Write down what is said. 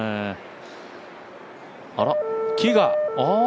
あらっ、木が！